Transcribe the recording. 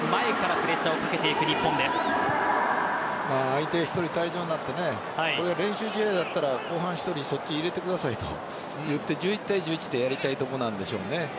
プレッシャーを相手、１人退場になって練習試合だったら後半、１人そっち入れてくださいと言って１１対１１でやりたいところなんでしょうね。